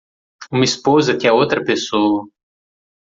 uma esposa que é outra pessoa